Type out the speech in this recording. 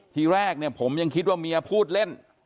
ทีแรกเนี่ยผมยังคิดว่าเมียพูดเล่น